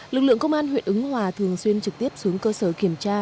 lực lượng công an huyện ứng hòa thường xuyên trực tiếp xuống cơ sở kiểm tra